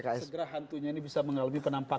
mudah mudahan segera hantunya ini bisa mengalami penampakan